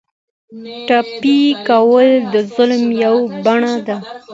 ټپي کول د ظلم یوه بڼه ده.